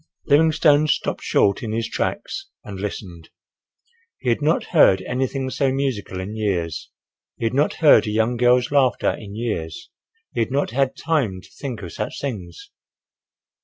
Livingstone stopped short in his tracks and listened. He had not heard anything so musical in years—he had not heard a young girl's laughter in years—he had not had time to think of such things.